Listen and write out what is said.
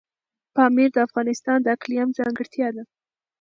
پامیر د افغانستان د اقلیم ځانګړتیا ده.